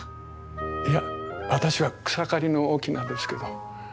いや私は草刈の翁ですけど。